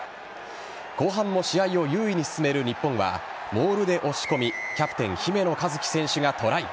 後半も試合を優位に進める日本はモールで押し込みキャプテン・姫野和樹選手がトライ。